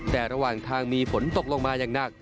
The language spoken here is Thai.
แต่ระหว่างทางมีฝนตกลงมาอย่างหนัก